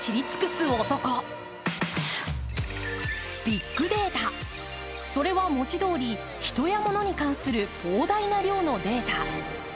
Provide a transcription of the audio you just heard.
ビッグデータ、それは文字どおり人やモノに関する膨大な量のデータ。